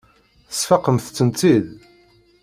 Tesfaqemt-tent-id.